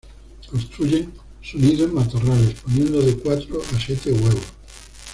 Construyen su nido en matorrales, poniendo de cuatro a siete huevos.